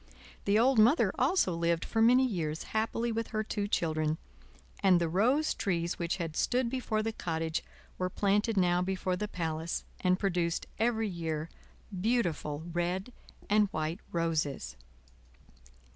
The old Mother also lived for many years happily with her two children, and the rose trees which had stood before the cottage were planted now before the palace, and produced every year beautiful red and white roses.